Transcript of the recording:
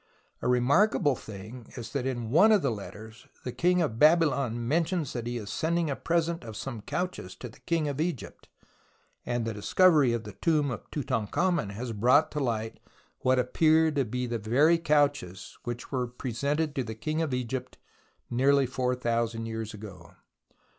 A remarkable thing is that in one of the letters, the King of Babylon mentions that he is sending a present of some couches to the King of Egypt, and the discovery of the tomb of Tutankhamen has brought to light what appear to be the very couches which were presented to the King of Egypt nearly four thousand years ago.